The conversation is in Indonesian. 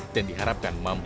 dan diharapkan membangunnya